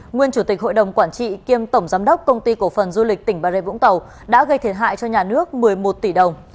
nguyên chủ tịch hội đồng quản trị kiêm tổng giám đốc công ty cổ phần du lịch tỉnh bà rê vũng tàu đã gây thiệt hại cho nhà nước một mươi một tỷ đồng